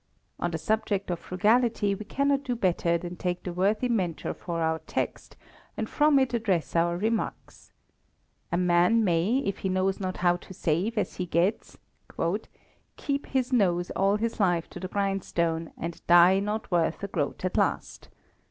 On the subject of frugality we cannot do better than take the worthy Mentor for our text, and from it address our remarks. A man may, if he knows not how to save as he gets, "keep his nose all his life to the grindstone, and die not worth a groat at last.